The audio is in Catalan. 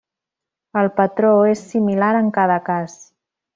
El patró és similar en cada cas.